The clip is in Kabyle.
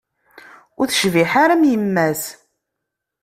Ur tecbiḥ ara am yemma-s.